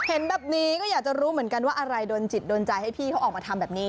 เห็นแบบนี้ก็อยากจะรู้เหมือนกันว่าอะไรโดนจิตโดนใจให้พี่เขาออกมาทำแบบนี้